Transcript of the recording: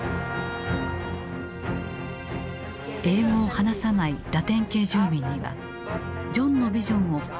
英語を話さないラテン系住民にはジョンのビジョンをスペイン語で伝えた。